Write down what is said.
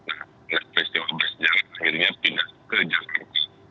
ada festival bersejarah akhirnya pindah ke jepang